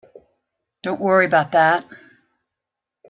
Don't worry about that.